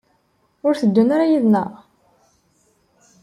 Ur tteddun ara yid-neɣ?